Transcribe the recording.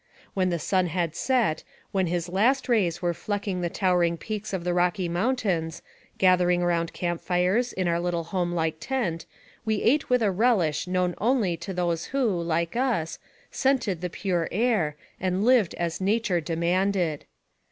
When the sun had set, when his last rays were flecking the towering peaks of the Rocky Mountains, gathering around the camp fires, in our home like tent, 14 NARRATIVE OF CAPTIVITY we ate with a relish known only to those who, like us, scented the pure air, and lived as nature demanded.